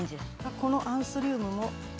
このアンスリウムも。